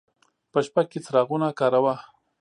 په شپه کې څراغونه کاروه.